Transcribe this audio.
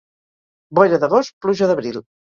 Boira d'agost, pluja d'abril.